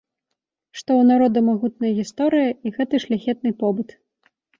Што ў народа магутная гісторыя і гэты шляхетны побыт.